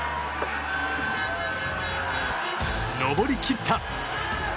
登りきった！